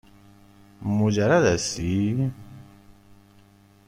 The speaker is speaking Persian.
مجرد هستی؟